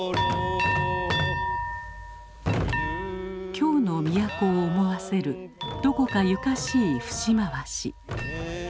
京の都を思わせるどこかゆかしい節回し。